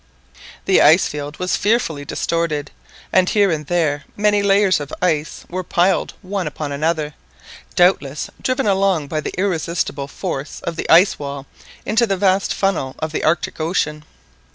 The ice field was fearfully distorted, and here and there many layers of ice were piled one upon another, doubtless driven along by the irresistible force of the ice wall into the vast funnel of the Arctic Ocean.